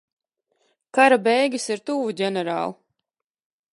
Kara beigas ir tuvu, ģenerāl.